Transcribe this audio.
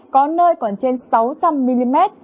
có nơi còn trên sáu trăm linh mm